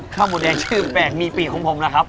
ข้ามูนใดชื่อแฟกมีปี่ของผมหล่ะครับ